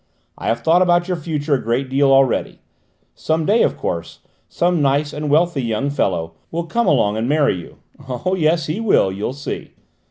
I have thought about your future a great deal already. Some day, of course, some nice and wealthy young fellow will come along and marry you Oh, yes, he will: you'll see.